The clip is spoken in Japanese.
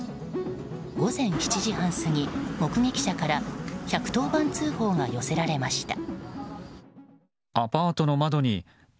午前７時半過ぎ、目撃者から１１０番通報が寄せられました。